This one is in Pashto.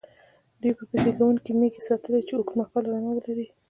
دوی به زېږوونکې مېږې ساتلې، چې اوږد مهاله رمه ولري.